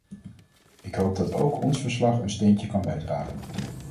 Ik hoop dat ook ons verslag een steentje kan bijdragen.